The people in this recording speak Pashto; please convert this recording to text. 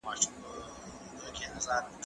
دا امادګي له هغه ګټور دی،